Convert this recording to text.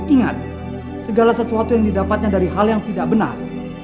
ingat segala sesuatu yang didapatnya dari hal yang tidak benar